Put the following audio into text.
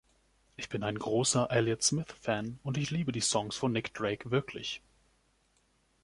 Ich bin ein großer Elliott Smith-Fan und ich liebe die Songs von Nick Drake wirklich.